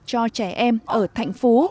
cho trẻ em ở thạnh phú